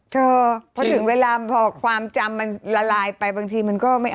เถอะเพราะถึงเวลาพอความจำมันละลายไปบางทีมันก็ไม่